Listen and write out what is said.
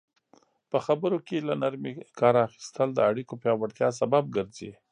په خبرو کې له نرمي کار اخیستل د اړیکو پیاوړتیا سبب ګرځي.